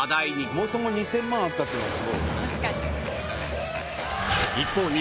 そもそも２０００万あったっていうのがすごいよね。